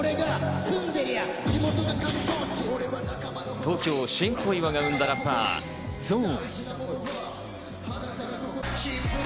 東京・新小岩が生んだラッパー・ＺＯＲＮ。